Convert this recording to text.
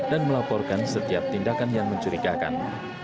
dan melaporkan setiap tindakan yang mencurigakan